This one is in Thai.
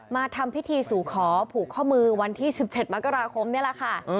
มาทำพิธีสู่ขอผูกข้อมือวันที่๑๗มกราคมนี่แหละค่ะ